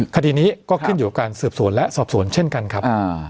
คดีนี้ก็ขึ้นอยู่กับการสืบสวนและสอบสวนเช่นกันครับ